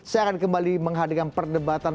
saya akan kembali menghadirkan perdebatan